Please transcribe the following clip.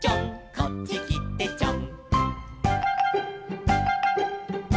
「こっちきてちょん」